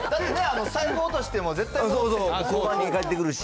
財布落としても絶対交番に戻ってくるし。